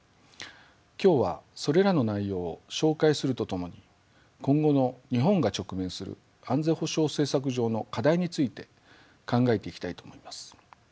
今日はそれらの内容を紹介するとともに今後の日本が直面する安全保障政策上の課題について考えていきたいと思います。